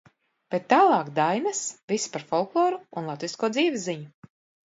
Bet tālāk dainas, viss par folkloru un latvisko dzīvesziņu.